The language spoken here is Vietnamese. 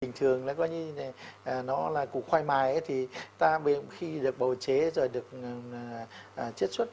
bình thường nó là củ khoai mài thì khi được bầu chế rồi được chết xuất